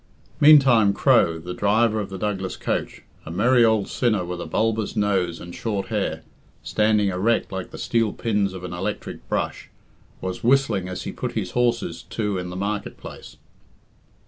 Meantime Crow, the driver of the Douglas coach, a merry old sinner with a bulbous nose and short hair, standing erect like the steel pins of an electric brush, was whistling as he put his horses to in the marketplace.